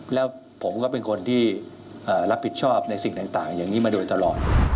แล้วผมก็เป็นคนที่รับผิดชอบในสิ่งต่างอย่างนี้มาโดยตลอด